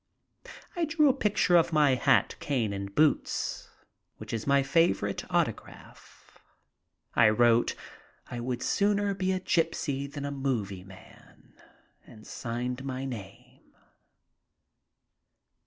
I drew a picture of my hat, cane, and boots, which OFF TO FRANCE in is my favorite autograph. I wrote, "I would sooner be a gypsy than a movie man," and signed my name.